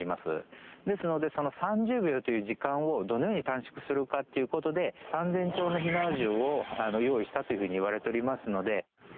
ですのでその３０秒という時間をどのように短縮するかっていう事で３０００丁の火縄銃を用意したというふうにいわれておりますので。